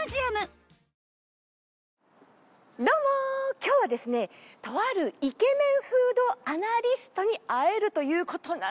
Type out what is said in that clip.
今日はですねとあるイケメンフードアナリストに会えるということなんですよ。